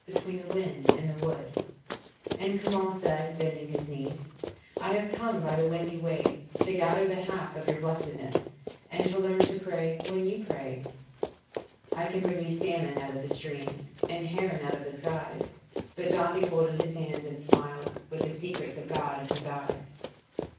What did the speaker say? Between the wind and the wood. And Cumhal said, bending his knees, ' I have come by the windy way * To gather the half of your blessedness ' And learn to pray when you pray, ' I can bring you salmon out of the streams ' And heron out of the skies. ' But Dathi folded his hands and smiled With the secrets of God in his eyes.